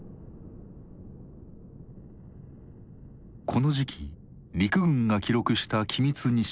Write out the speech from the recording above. この時期陸軍が記録した機密日誌。